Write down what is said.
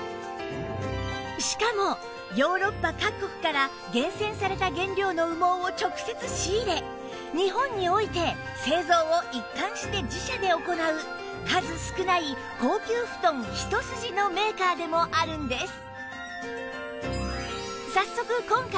しかもヨーロッパ各国から厳選された原料の羽毛を直接仕入れ日本において製造を一貫して自社で行う数少ない高級布団一筋のメーカーでもあるんです